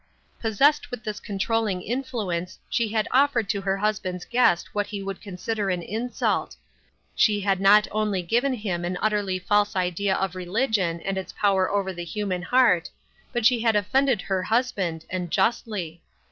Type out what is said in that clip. Possessed with this control ling influence she had offered to her husband's guest what he would consider an insult ; she had not only given him an utterly false idea of religion and its power over the human heart, but she had offended her husband, and justly.